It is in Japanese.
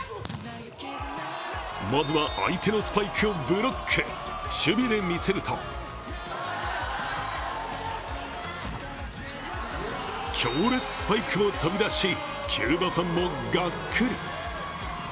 まずは相手のスパイクをブロック、守備で見せると強烈スパイクも飛び出し、キューバファンもガックリ。